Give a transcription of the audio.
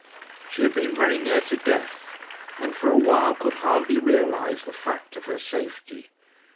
She had been very near to death, and for a while could hardly realise the fact of her safety.